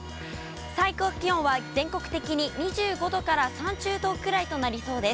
最高気温は全国的に２５度から３０度ぐらいとなりそうです。